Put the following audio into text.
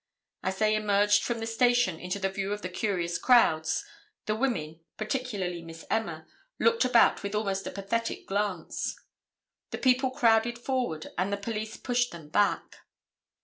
As they emerged from the station into the view of the curious crowds, the women, particularly Miss Emma, looked about with almost a pathetic glance. The people crowded forward and the police pushed them back.